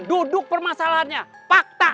duduk permasalahannya fakta